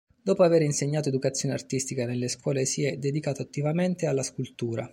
Dopo avere insegnato Educazione Artistica nelle scuole si è dedicato attivamente alla scultura.